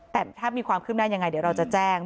แต่ถ้ามีความคืบหน้ายังไงเดี๋ยวเราจะแจ้ง